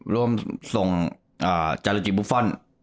ร่วมส่งจารจีบฟอร์น